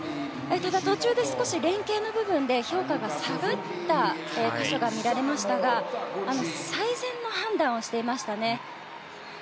ただ、途中で少し連係の部分で評価が下がった箇所が見られましたが最善の判断をしていましたね。